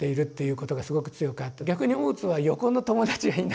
逆に大津は横の友達がいない。